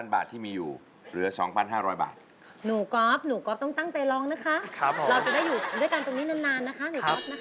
เราจะได้อยู่ด้วยกันตรงนี้นานนะคะหนูครับ